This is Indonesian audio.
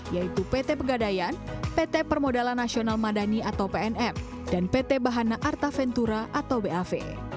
yaitu pt pegadaian pt permodalan nasional madani atau pnm dan pt bahana arta ventura atau bav